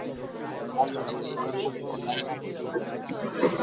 অন্যদিকে এর পুষ্টি গুন ও প্রচুর।